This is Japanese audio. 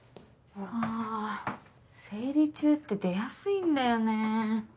ああ生理中って出やすいんだよね。